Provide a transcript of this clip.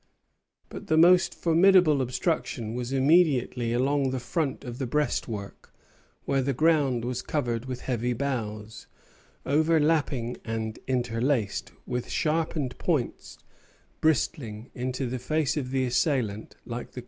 But the most formidable obstruction was immediately along the front of the breastwork, where the ground was covered with heavy boughs, overlapping and interlaced, with sharpened points bristling into the face of the assailant like the quills of a porcupine.